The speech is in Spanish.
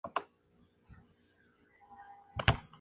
Se casó con María Eugenia Pico Estrada, con quien tuvo diez hijos.